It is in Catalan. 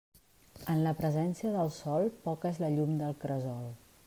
En la presència del sol, poca és la llum del cresol.